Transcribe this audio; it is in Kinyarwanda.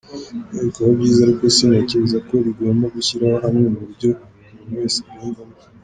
Byari kuba byiza…Ariko sintekereza ko rigomba gushyira hamwe mu buryo umuntu wese abyumvamo.